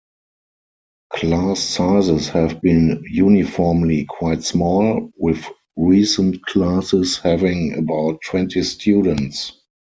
Class sizes have been uniformly quite small, with recent classes having about twenty students.